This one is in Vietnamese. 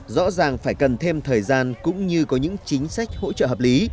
rõ ràng phải cần thêm thời gian cũng như có những chính sách hỗ trợ hợp lý